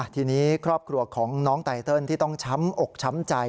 ทีนี้ครอบครัวของน้องไตเติลที่ต้องช้ำอกช้ำใจ